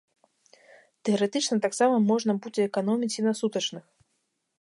Тэарэтычна, таксама можна будзе эканоміць і на сутачных.